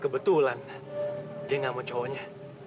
kebetulan dia gak mau cowoknya